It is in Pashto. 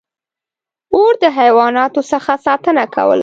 • اور د حیواناتو څخه ساتنه کوله.